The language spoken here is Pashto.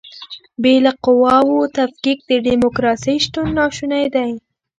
بې له قواوو تفکیک د دیموکراسۍ شتون ناشونی دی.